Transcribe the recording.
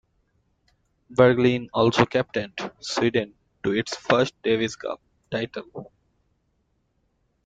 Bergelin also captained Sweden to its first Davis Cup title.